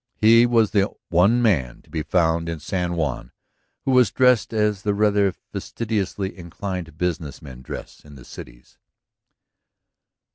He was the one man to be found in San Juan who was dressed as the rather fastidiously inclined business men dress in the cities.